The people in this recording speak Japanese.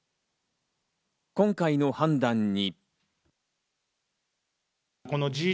今回の判断に。